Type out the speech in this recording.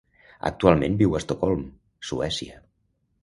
Actualment viu a Estocolm, Suècia.